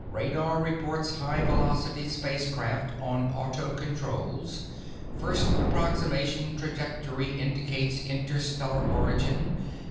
RADAR REPORTS HIGH VELOCITY SPACECRAFT ON AUTOCONTROLS. FIRST APPROXIMATION TRAJECTORY INDICATES INTERSTELLAR ORIGIN.